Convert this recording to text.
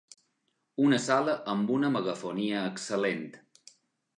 Una sala amb una megafonia excel·lent.